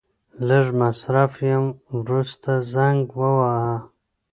لږ مصرف يم ورسته زنګ وواهه.